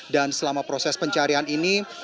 dan selama proses pencarian ini